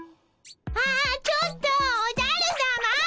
あっちょっとおじゃるさま！